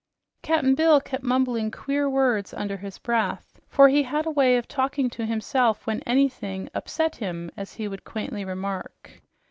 Cap'n Bill kept mumbling queer words under his breath, for he had a way of talking to himself when anything "upsot him," as he would quaintly remark.